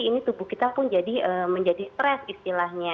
ini tubuh kita pun menjadi stress istilahnya